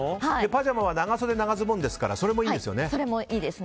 パジャマは長袖長ズボンですからそれもいいです。